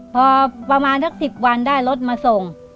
พอประมาณสัก๑๐วันได้รถมาส่ง